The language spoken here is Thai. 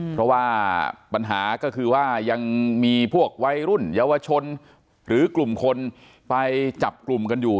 เพราะว่าปัญหาก็คือว่ายังมีพวกวัยรุ่นเยาวชนหรือกลุ่มคนไปจับกลุ่มกันอยู่